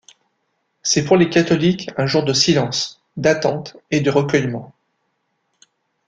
C'est pour les catholiques un jour de silence, d'attente et de recueillement.